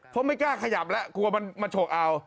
เพราะไม่กล้าขยับแล้วกลัวมันมาโฉกเอา